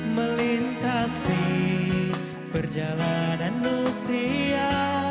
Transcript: melintasi perjalanan usia